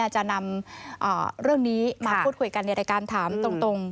จะนำเรื่องนี้มาพูดคุยกันในรายการถามตรง